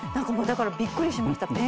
だからびっくりしました。